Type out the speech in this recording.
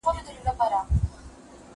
زه به اوږده موده خبري کړې وم!.